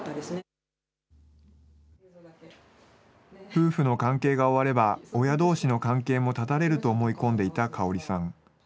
夫婦の関係が終われば、親どうしの関係も絶たれると思い込んでいた香さん。